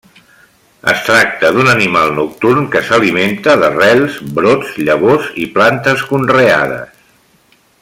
Es tracta d'un animal nocturn que s'alimenta d'arrels, brots, llavors i plantes conreades.